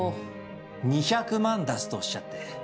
坪２００万出すとおっしゃって。